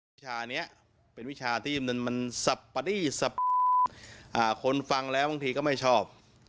วิชานี้เป็นวิชาที่มันสับปะดี้สับคนฟังแล้วบางทีก็ไม่ชอบ